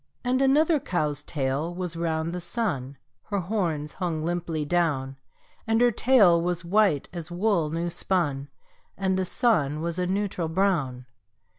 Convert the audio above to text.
And another cow's tail was round the sun (Her horns hung limply down); And her tail was white as wool new spun, And the sun was a neutral brown.